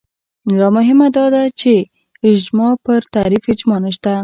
لا مهمه دا چې اجماع پر تعریف اجماع نشته